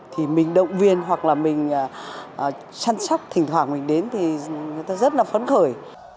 thì mình động viên hoặc là mình chăm sóc thỉnh thoảng mình đến thì người ta rất là phấn khởi